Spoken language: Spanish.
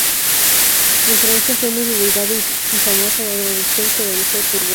En Francia fue muy divulgada y famosa la traducción que realizó Turgot.